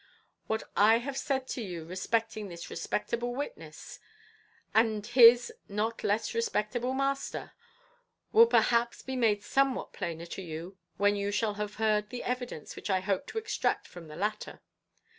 What I have said to you respecting this respectable witness, and his not less respectable master, will perhaps be made somewhat plainer to you when you shall have heard the evidence which I hope to extract from the latter.